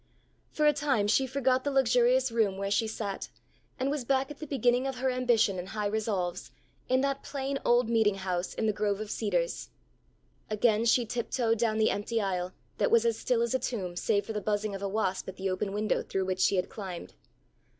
For a time she forgot the luxurious room where she sat, and was back at the beginning of her ambition and high resolves, in that plain old meeting house in the grove of cedars. Again she tiptoed down the empty aisle, that was as still as a tomb, save for the buzzing of a wasp at the open window through which she had climbed.